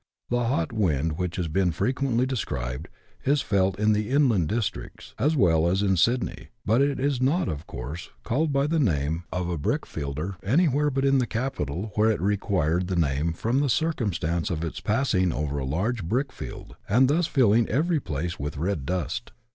The hot wind, which has been frequently described, is felt in the inland districts as well as in Sydney, but it is not, of course, called by the name of a " brick fielder " anywhere but in the capital, where it acquired the name from the circumstance of its passing over a large brick field, and thus filling every place with red dust.